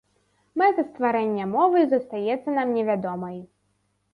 Мэта стварэння мовы застаецца нам невядомай.